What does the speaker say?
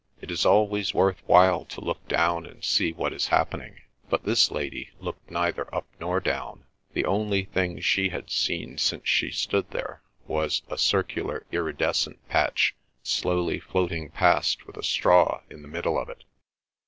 It is always worth while to look down and see what is happening. But this lady looked neither up nor down; the only thing she had seen, since she stood there, was a circular iridescent patch slowly floating past with a straw in the middle of it.